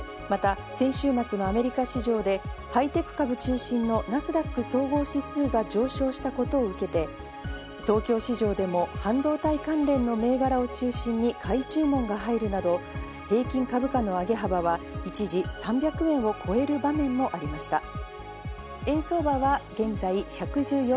また、先週末のアメリカ市場でハイテク株中心のナスダック総合指数が上昇したことを受けて、東京市場でも半導体関連の銘柄を中心に買い注文が入るなど、平均株価の上げ幅は一時３００円を超える場面もありました。